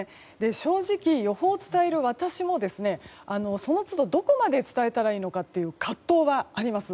正直、予報を伝える私もその都度どこまで伝えたらいいのかという、葛藤があります。